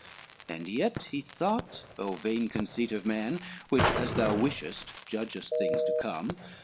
XXI And yet he thought,—Oh, vain conceit of man, Which as thou wishest judgest things to come!